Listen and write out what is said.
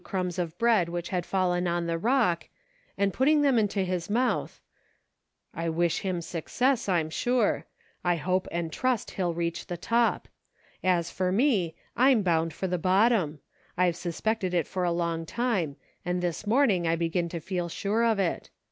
45 crumbs of bread wbich had fallen on the log, and putting them into his mouth, " I wish him success, I'm sure ; I hope and trust he'll reach the top ; as for me, I'm bound for the bottom ; I've suspected it a long time, and this morning I begin to feel sure of it.